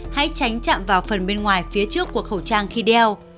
hãy tránh chạm vào phần bên ngoài phía trước của khẩu trang khi đeo